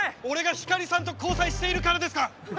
俺がひかりさんと交際しているからですか？